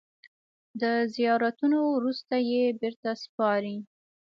د زیارتونو وروسته یې بېرته سپاري.